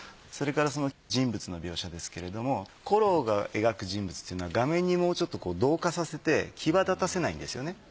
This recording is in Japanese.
それから人物の描写ですけれどもコローが描く人物というのは画面にもうちょっと同化させて際立たせないんですよね。